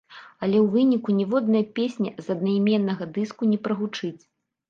Але ў выніку ніводная песня з аднайменнага дыску не прагучыць.